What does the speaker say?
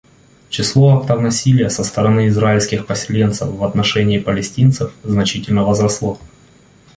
Число актов насилия со стороны израильских поселенцев в отношении палестинцев значительно возросло.